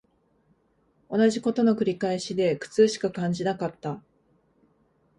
同じ事の繰り返しで苦痛しか感じなかった